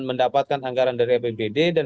mendapatkan anggaran dari apbd dan